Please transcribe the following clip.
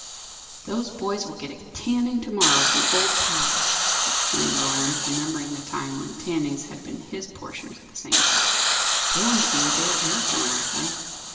"Those boys will get a tanning, to morrow, from old Pye!" exclaimed Roland, remembering the time when "tannings" had been his portion for the same fault. "Go and see what they are after, Martha."